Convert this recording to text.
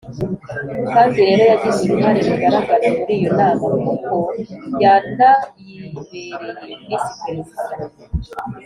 kandi rero yagize uruhare rugaragara muri iyo Nama kuko yanayibereye Visi-Perezida,